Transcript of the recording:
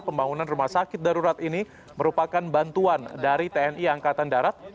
pembangunan rumah sakit darurat ini merupakan bantuan dari tni angkatan darat